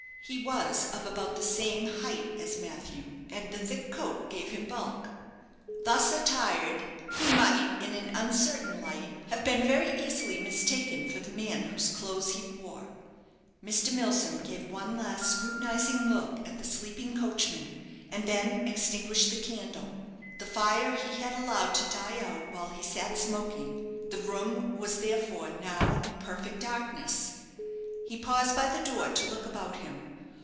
He was of about the same height as Matthew, and the thick coat gave him bulk. Thus attired he might, in an uncertain light, have been very easily mistaken for the man whose clothes he wore. Mr. Milsom gave one last scrutinizing look at the sleeping coachman, and then extinguished the candle. The fire he had allowed to die out while he sat smoking: the room was, therefore, now in perfect darkness. He paused by the door to look about him.